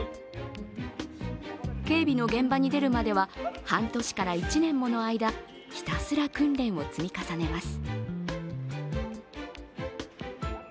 警備の現場に出るまでは半年から１年もの間、ひたすら訓練を積み重ねます。